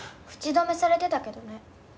口止めされてたけどね。